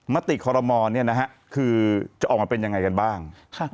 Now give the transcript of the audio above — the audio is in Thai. มติขอรมณ์จะออกมาเป็นอย่างไรกันบ้าง